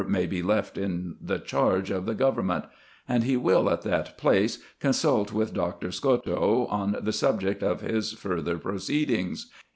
27 may be left in the charge of the government ; and he will, at that place, consult with Doctor Scotto on the subject of his further pro ceedings.